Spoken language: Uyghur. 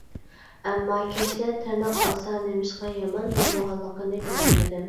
ئەمما كەچتە تىرناق ئالسا نېمىشقا يامان بولىدىغانلىقىنى بىلەلمىدىم.